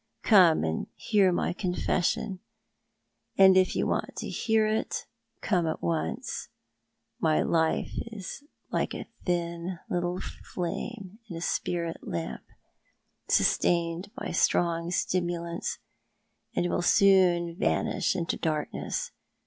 Come and hear my confession, and if you want to hear it come at once. My life is like a thin little flame in a spirit lamp — sustained by stroug stimulants, and will soon vanish into darkness.